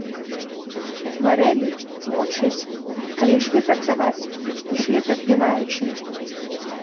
Хварэлі, мучыліся, але ішлі працаваць, ішлі праклінаючы.